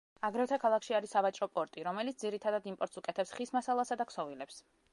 აგრეთვე ქალაქში არის სავაჭრო პორტი, რომელიც ძირითადად იმპორტს უკეთებს ხის მასალასა და ქსოვილებს.